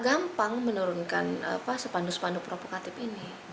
gampang menurunkan spanduk spanduk provokatif ini